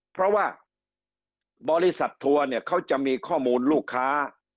เพราะว่าบริษัททัวร์เนี่ยเขาจะมีข้อมูลลูกค้า